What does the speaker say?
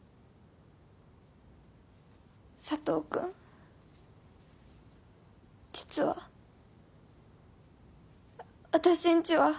佐藤君実は。あたしんちは。